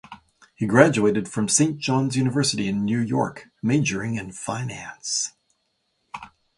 He graduated from Saint John's University in New York, majoring in finance.